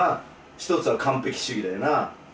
一つは完璧主義だよな。